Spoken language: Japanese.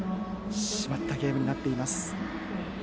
締まったゲームになっています。